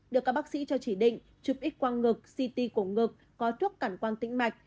được các bác sĩ cho chỉ định chụp ít quang ngực ct cổ ngực có thuốc cản quan tĩnh mạch